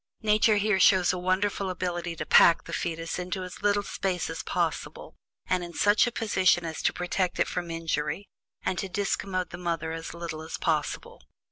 Nature here shows a wonderful ability to pack the fetus into as little space as possible, and in such a position as to protect it from injury, and to discommode the mother as little as possible.